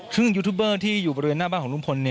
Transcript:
ซึ่งยูทูบเบอร์ที่อยู่บริเวณหน้าบ้านของลุงพล